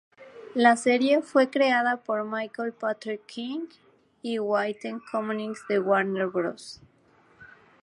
La serie fue creada por Michael Patrick King y Whitney Cummings de Warner Bros.